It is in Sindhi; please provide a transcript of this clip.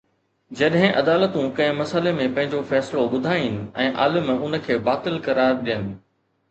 جڏهن عدالتون ڪنهن مسئلي ۾ پنهنجو فيصلو ٻڌائين ۽ عالم ان کي باطل قرار ڏين